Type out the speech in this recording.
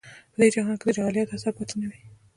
په دې جهان کې د جاهلیت اثر پاتې نه وي.